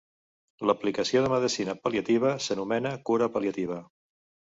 L'aplicació de medicina pal·liativa s'anomena cura pal·liativa.